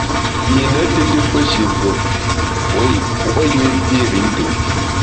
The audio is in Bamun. Kine tùtù pe shi vùe, puo’ yé vir i ntùm.